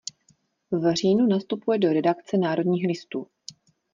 V říjnu nastupuje do redakce Národních listů.